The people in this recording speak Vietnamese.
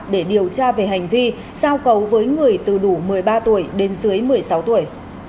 để điều tra về hành vi giao cầu với người từ đủ một mươi ba tuổi đến dưới một mươi sáu tuổi